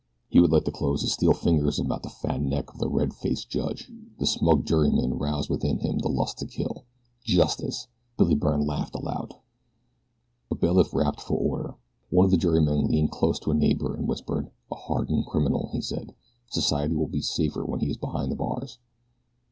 He would like to close his steel fingers about the fat neck of the red faced judge. The smug jurymen roused within him the lust to kill. Justice! Billy Byrne laughed aloud. A bailiff rapped for order. One of the jurymen leaned close to a neighbor and whispered. "A hardened criminal," he said. "Society will be safer when he is behind the bars."